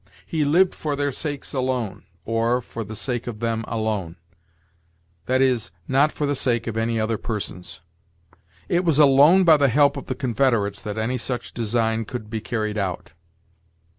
'He lived for their sakes alone,' or, 'for the sake of them alone'; that is, not for the sake of any other persons. 'It was alone by the help of the Confederates that any such design could be carried out.'